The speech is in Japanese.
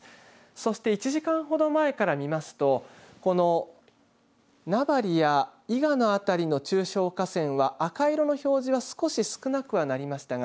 そして１時間ほど前から見ますとこの名張や伊賀の辺りの中小河川は赤色の表示が少し少なくはなりましたが